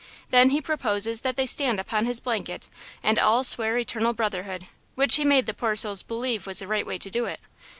Then he proposes that they stand upon his blanket and all swear eternal brotherhood, which he made the poor souls believe was the right way to do it.